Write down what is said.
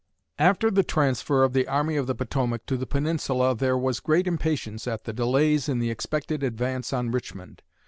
After the transfer of the Army of the Potomac to the Peninsula there was great impatience at the delays in the expected advance on Richmond.